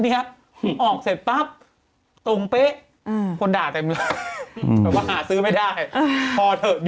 อ๋ออ๋อคือหนูว่าที่หนูไม่ได้ไปออก